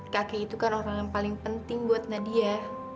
kakek itu kan orang yang paling penting buat nadia